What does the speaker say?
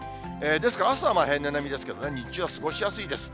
ですから、朝は平年並みですけど、日中は過ごしやすいです。